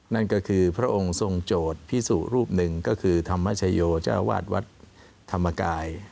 นั่นก็คือพระองค์ทรงโจทย์พิสุรูปหนึ่งก็คือธรรมชโยเจ้าวาดวัดธรรมกาย